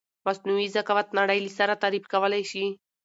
مثنوعې زکاوت نړی له سره تعریف کولای شې